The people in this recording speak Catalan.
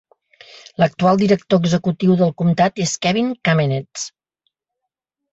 L'actual Director Executiu del comtat és Kevin Kamenetz.